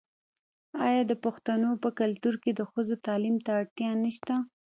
آیا د پښتنو په کلتور کې د ښځو تعلیم ته اړتیا نشته؟